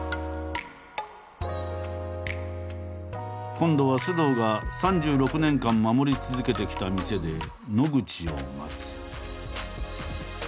今度は須藤が３６年間守り続けてきた店で野口を待つ。